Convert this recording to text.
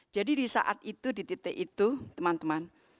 jadi di saat itu di titik itu teman teman